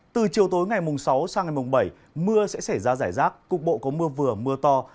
từ chiều tối ngày mùng sáu sang ngày mùng bảy mưa sẽ xảy ra giải rác cục bộ có mưa vừa mưa to